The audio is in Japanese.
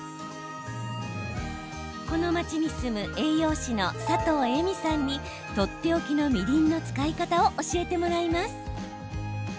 この町に住む栄養士の佐藤恵美さんにとっておきのみりんの使い方を教えてもらいます。